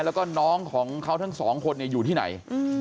แล้วก็น้องของเขาทั้งสองคนอยู่ที่ไหน